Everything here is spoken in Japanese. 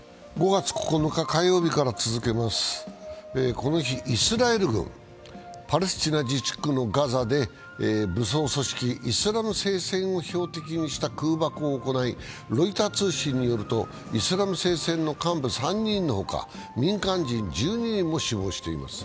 この日、イスラエル軍パレスチナ自治区のガザで武装組織イスラム聖戦を標的にした空爆を行い、ロイター通信によると、イスラム聖戦の幹部３人のほか民間人１２人も死亡しています。